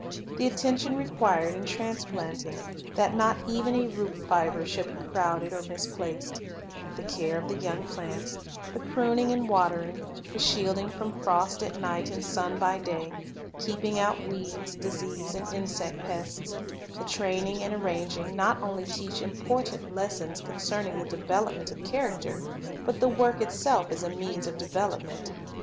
The attention required in trans planting, that not even a root fiber shall be crowded or misplaced, the care of the young plants, the pruning and watering, the shielding from frost at night and sun by day, keeping out weeds, disease, and insect pests, the training and arranging, not only teach important Development lessons concerning the development of character, but the work itself is a means of development.